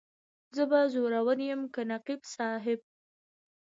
زه به زورور یم که نقیب صاحب.